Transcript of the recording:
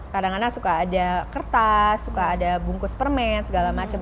kadang kadang suka ada kertas suka ada bungkus permen segala macam